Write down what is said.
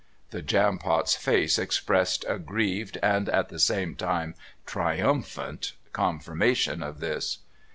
The Jampot's face expressed a grieved and at the same time triumphant confirmation of this.